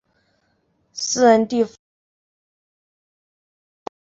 私人地方的一边有喷水池。